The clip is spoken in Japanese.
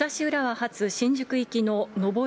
発新宿行きの上り